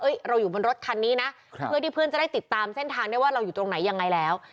เราอยู่บนรถคันนี้นะเพื่อที่เพื่อนจะได้ติดตามเส้นทางได้ว่าเราอยู่ตรงไหนยังไงแล้ว